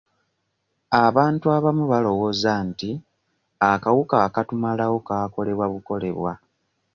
Abantu abamu balowooza nti akawuka akatumalawo kaakolebwa bukolebwa.